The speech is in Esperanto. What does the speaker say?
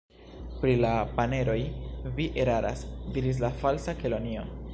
"Pri la paneroj vi eraras," diris la Falsa Kelonio.